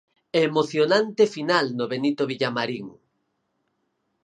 Emocionante final no Benito Villamarín.